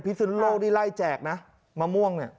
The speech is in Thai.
พิษสุนโลกได้ไล่แจกนะมะม่วง